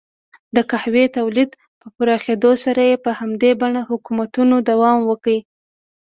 د قهوې تولید په پراخېدو سره یې په همدې بڼه حکومتونو دوام وکړ.